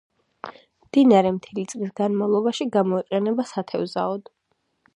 მდინარე მთელი წლის განმავლობაში გამოიყენება სათევზაოდ.